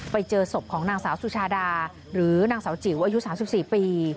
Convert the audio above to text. ไปเจอศพของนางสาวสุชาดาหรือนางสาวจิ๋วอายุ๓๔ปี